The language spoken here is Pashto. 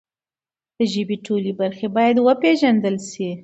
د ژبې ټولې برخې باید وپیژندل سي.